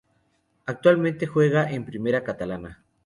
Actualmente juega en Primera Catalana.